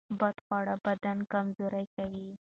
بد خواړه بدن کمزوری کوي.